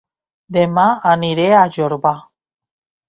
Dema aniré a Jorba